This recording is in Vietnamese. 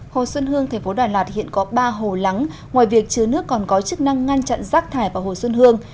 hồ xuân hương tp đà lạt hiện có ba hồ lắng ngoài việc chứa nước còn có chức năng ngăn chặn rác thải vào hồ xuân hương